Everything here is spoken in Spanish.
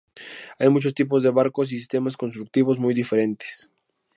Hay muchos tipos de barcos y sistemas constructivos muy diferentes.